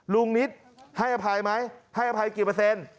ลุงนิดให้อภัยไหมให้อภัยกี่เปอร์เซ็นต์